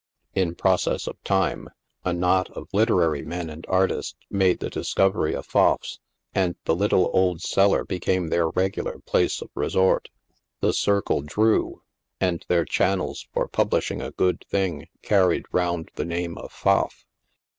In process of time, a kuot of literary men and artists made the discovery of Pfaff's, and the little, old cellar became their regular place of resort. The circle " drew," and their channels for publishing a good thing carried round th® name of Pfaff.